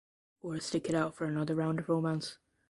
Or stick it out for another round of romance?